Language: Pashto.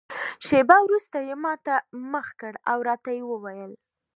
شېبه وروسته یې ما ته مخ کړ او راته ویې ویل.